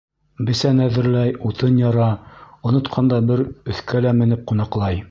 Бесән әҙерләй, утын яра, онотҡанда бер өҫкә лә менеп ҡунаҡлай...